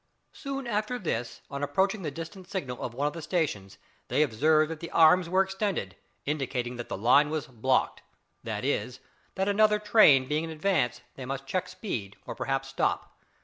Soon after this, on approaching the distant signal of one of the stations, they observed that the arms were extended, indicating that the line was "blocked" that is, that another train being in advance they must check speed or perhaps stop.